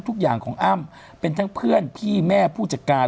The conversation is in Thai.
ทุกอย่างของอ้ำเป็นทั้งเพื่อนพี่แม่ผู้จัดการ